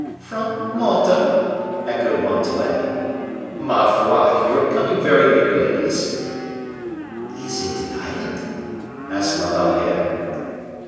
"From Malta?" echoed Montalais. "Ma foi! You are coming very near, ladies." "Is it an island?" asked La Valliere.